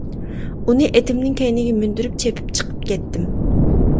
ئۇنى ئېتىمنىڭ كەينىگە مىندۈرۈپ چېپىپ چىقىپ كەتتىم.